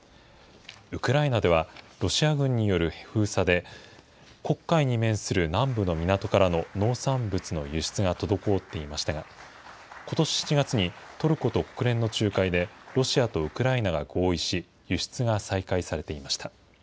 ウクライナでは、ロシア軍による封鎖で黒海に面する南部の港からの農産物の輸出が滞っていましたが、ことし７月にトルコと国連の仲介でロシアとウクライナが合意し、輸出が再開されていました。